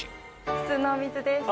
普通のお水です。